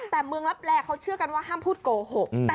แต่เมืองลับแลเขาเชื่อกันว่าห้ามพูดโกหก